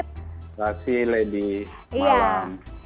terima kasih lady malam